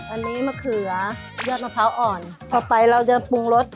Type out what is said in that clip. อันนี้มะเขือยอดมะพร้าวอ่อนพอไปเราจะปรุงรส